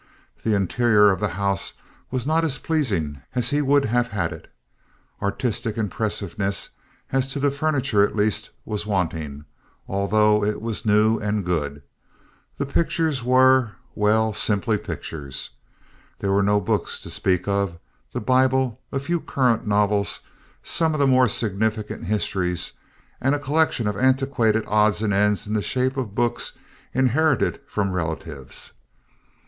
The interior of the house was not as pleasing as he would have had it. Artistic impressiveness, as to the furniture at least, was wanting, although it was new and good. The pictures were—well, simply pictures. There were no books to speak of—the Bible, a few current novels, some of the more significant histories, and a collection of antiquated odds and ends in the shape of books inherited from relatives.